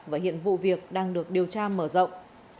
và hiện vụ việc đang được điều tra mở rộng